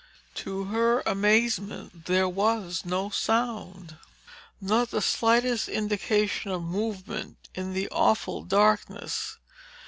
To her amazement, there was no sound; not the slightest indication of movement in the awful darkness.